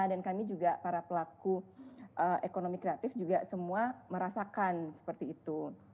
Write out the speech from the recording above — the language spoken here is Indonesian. dan kami juga para pelaku ekonomi kreatif juga semua merasakan seperti itu